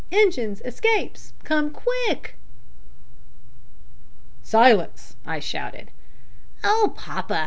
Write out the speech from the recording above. engines! escapes! Come qui i i ck!' "`Silence!' I shouted. "`Oh, papa!'